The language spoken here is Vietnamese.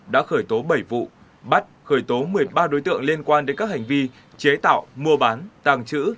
đã khởi tố bảy vụ bắt khởi tố một mươi ba đối tượng liên quan đến các hành vi chế tạo mua bán tàng trữ